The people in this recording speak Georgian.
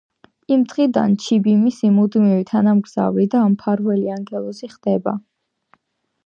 იმ დღიდან ჩიბი მისი მუდმივი თანამგზავრი და მფარველი ანგელოზი ხდება.